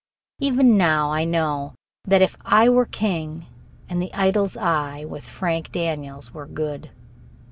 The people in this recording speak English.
Even now I know that "If I Were King" and "The Idol's Eye", with Frank Daniels, were good.